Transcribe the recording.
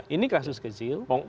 ini kasus kecil